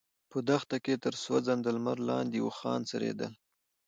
په دښته کې تر سوځنده لمر لاندې اوښان څرېدل.